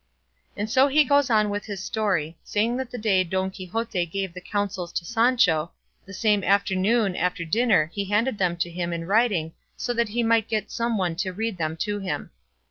And so he goes on with his story, saying that the day Don Quixote gave the counsels to Sancho, the same afternoon after dinner he handed them to him in writing so that he might get some one to read them to him.